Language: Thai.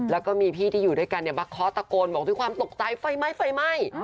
แล้วก็มีพี่ที่อยู่ด้วยกันมาเคาะตะโกนบอกด้วยความตกใจไฟไหม้ไฟไหม้